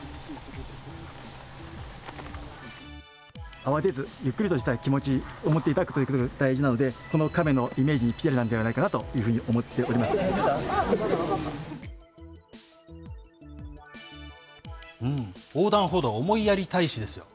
慌てずゆっくりとした気持ちを持っていただくことが大事なので、このカメのイメージにぴったりなのではないかなというふうに横断歩道おもいやり大使ですよ。